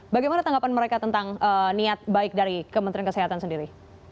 bagaimana tanggapan mereka tentang niat baik dari kementerian kesehatan sendiri